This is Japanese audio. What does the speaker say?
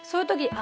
あ